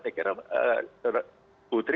saya kira putri jangan terlalu berani menilai